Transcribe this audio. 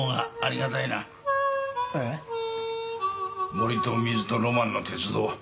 森と水とロマンの鉄道。